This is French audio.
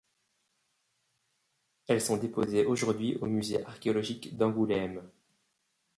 Elles sont déposées aujourd'hui au musée archéologique d'Angoulême.